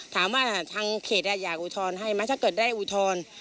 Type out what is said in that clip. ถามว่าทางเขตอยากอุทธรณ์ให้ไหมถ้าเกิดได้อุทธรณ์